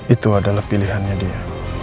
itu adalah pilihannya dia